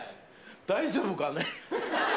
大丈夫かね？